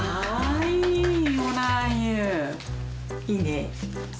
いいね。